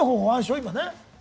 今ね。